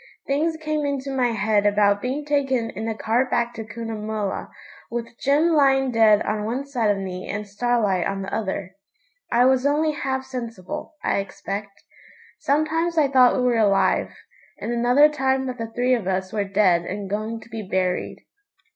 Things came into my head about being taken in a cart back to Cunnamulla, with Jim lying dead on one side of me and Starlight on the other. I was only half sensible, I expect. Sometimes I thought we were alive, and another time that the three of us were dead and going to be buried.